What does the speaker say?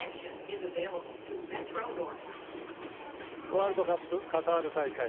ワールドカップカタール大会。